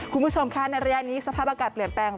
คุณผู้ชมค่ะในระยะนี้สภาพอากาศเปลี่ยนแปลง